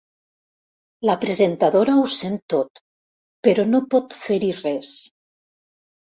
La presentadora ho sent tot, però no pot fer-hi res.